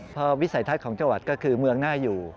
พอวิสัยทัศน์ของจังหวัดก็คือเมืองหน้าอยู่